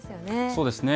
そうですね。